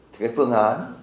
thì cái phương án